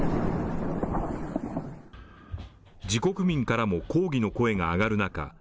自国民からも抗議の声が上がる中